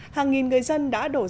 hàng nghìn người dân đã đổ sử dụng